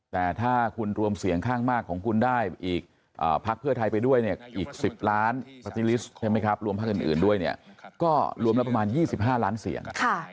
แต่ถ้าคุณรวมเสียงข้างมากของคุณได้อีกพักเพื่อไทยไปด้วยเนี่ยอีก๑๐ล้านปาร์ตี้ลิสต์ใช่ไหมครับรวมพักอื่นด้วยเนี่ยก็รวมแล้วประมาณ๒๕ล้านเสียง